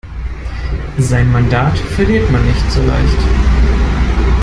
Sein Mandat verliert man nicht so leicht.